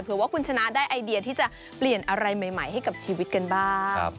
เพื่อว่าคุณชนะได้ไอเดียที่จะเปลี่ยนอะไรใหม่ให้กับชีวิตกันบ้าง